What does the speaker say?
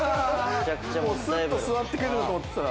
スッと座ってくれると思ってたら。